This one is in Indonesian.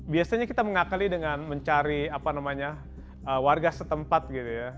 biasanya kita mengakali dengan mencari warga setempat gitu ya